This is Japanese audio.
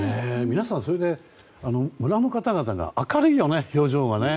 皆さん、村の方々が明るいよね、表情がね。